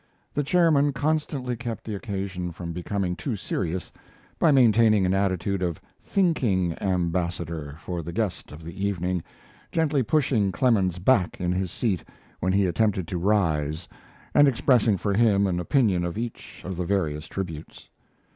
The chairman constantly kept the occasion from becoming too serious by maintaining an attitude of "thinking ambassador" for the guest of the evening, gently pushing Clemens back in his seat when he attempted to rise and expressing for him an opinion of each of the various tributes.